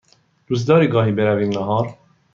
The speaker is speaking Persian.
دوست داری گاهی برویم نهار؟